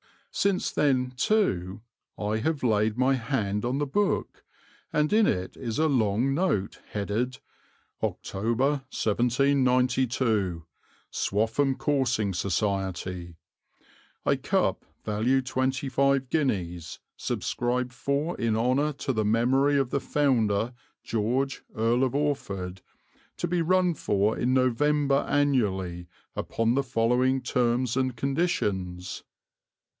Since then, too, I have laid my hand on the book, and in it is a long note headed, "October 1792. Swaffham Coursing Society. A cup value 25 guineas subscribed for in honour to the memory of the founder George, Earl of Orford, to be run for in November annually upon the following terms and conditions."